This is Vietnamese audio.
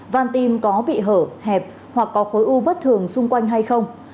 van tim có bị hở hẹp hoặc có khối u bất thường xung quanh hay không